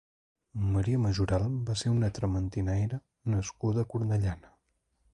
Maria Majoral va ser una trementinaire nascuda a Cornellana.